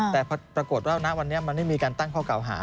แต่พอปรากฏอย่างนั้นวันนี้ไม่มีการตั้งข้อก่าวหา